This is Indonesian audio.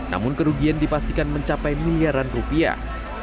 namun kerugian dipastikan mencapai miliaran rupiah